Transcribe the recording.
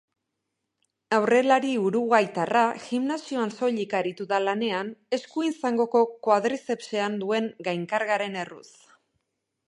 Aurrelari uruguaitarra gimnasioan soilik aritu da lanean eskuin zangoko koadrizepsean duen gainkargaren erruz.